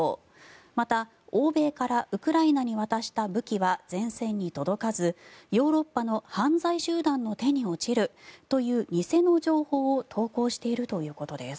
また、欧米からウクライナに渡した武器は前線に届かずヨーロッパの犯罪集団の手に落ちるという偽の情報を投稿しているということです。